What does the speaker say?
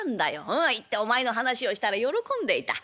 うん行ってお前の話をしたら喜んでいた。